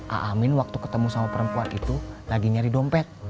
amin waktu ketemu sama perempuan itu lagi nyari dompet